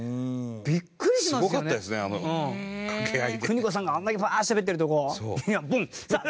邦子さんがあれだけバーッてしゃべってるとこをブンッ！